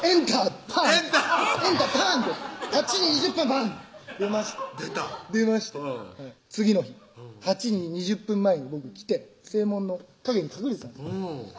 バン出まして出た出まして次の日８時２０分前に僕来て正門の陰に隠れてたんです